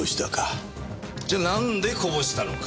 じゃあなんでこぼしたのか。